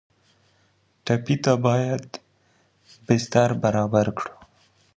ټپي ته باید پاک بستر برابر کړو.